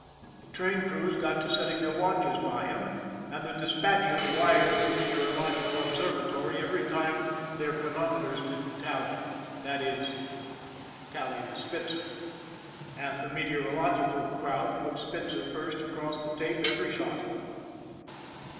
The train crews got to setting their watches by him, and the dis patchers wired the meteorological observatory every time their chronometers didn't tally that is, tally with 68 ON THE IRON AT BIG CLOUD Spitzer and the meteorological crowd put Spitzer first across the tape every shot.